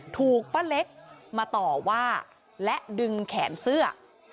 ถูกป้าเล็กมาต่อว่าและดึงแขนเสื้อ